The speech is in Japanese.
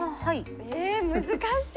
え難しい。